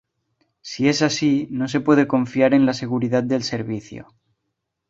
Si es así, no se puede confiar en la seguridad del servicio